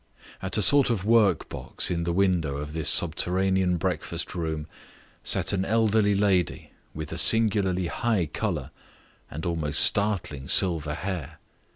At a sort of workbox in the window of this subterranean breakfast room sat an elderly lady with a singularly high colour and almost startling silver hair.